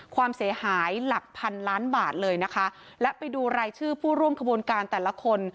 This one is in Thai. ความเสียหายหลักพันล้านบาทเลยนะคะและไปดูรายชื่อผู้ร่วมขบวนการแต่ละคน